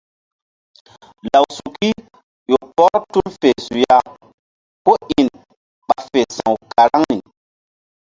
Lawsuki ƴo pɔr tul fe suya kó in ɓa fe sa̧w karaŋri.